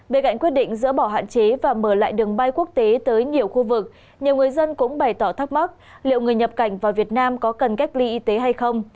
bên cạnh quyết định dỡ bỏ hạn chế và mở lại đường bay quốc tế tới nhiều khu vực nhiều người dân cũng bày tỏ thắc mắc liệu người nhập cảnh vào việt nam có cần cách ly y tế hay không